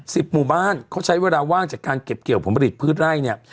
หมู่บ้านเขาใช้เวลาว่างจากการเก็บเกี่ยวผลผลิตพืชไล่เนี่ย